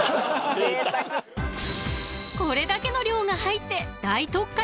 ［これだけの量が入って］